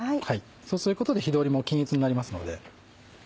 そうすることで火通りも均一になりますので。